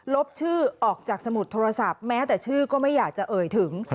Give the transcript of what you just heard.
บชื่อออกจากสมุดโทรศัพท์แม้แต่ชื่อก็ไม่อยากจะเอ่ยถึง